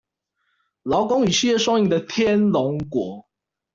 勞工與企業雙贏的天龍國